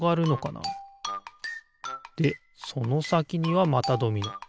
でそのさきにはまたドミノ。